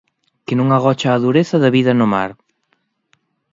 Que non agocha a dureza da vida no mar.